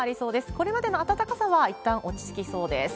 これまでの暖かさはいったん落ち着きそうです。